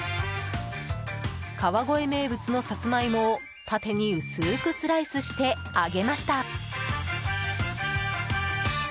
川越名物のさつまいもを縦に薄くスライスして揚げました。